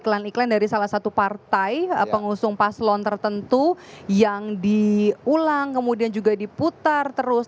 iklan iklan dari salah satu partai pengusung paslon tertentu yang diulang kemudian juga diputar terus